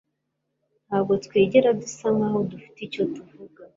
Ntabwo twigera dusa nkaho dufite icyo tuvuga